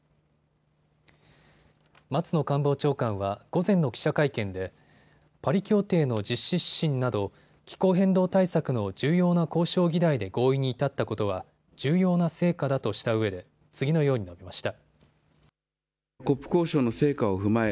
松野官房長官は午前の記者会見でパリ協定の実施指針など気候変動対策の重要な交渉議題で合意に至ったことは重要な成果だとしたうえで次のように述べました。